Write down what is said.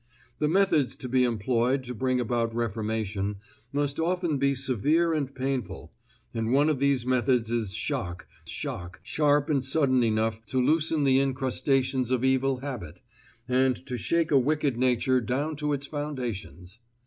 The methods to be employed to bring about reformation must often be severe and painful, and one of these methods is shock, shock sharp and sudden enough to loosen the incrustations of evil habit, and to shake a wicked nature down to its foundations.